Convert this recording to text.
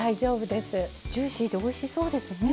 ジューシーでおいしそうですね。